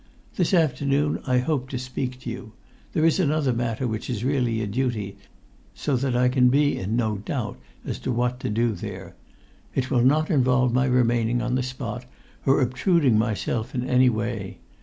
This afternoon I hoped to speak to you. There is another matter which is really a duty, so that I can be in no doubt as to what to do there. It will not involve my remaining on the spot, or obtruding myself in any way.